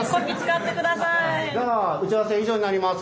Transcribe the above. じゃあ打ち合わせ以上になります。